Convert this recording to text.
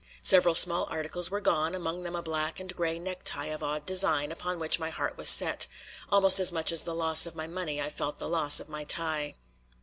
Several small articles were gone, among them a black and gray necktie of odd design upon which my heart was set; almost as much as the loss of my money I felt the loss of my tie.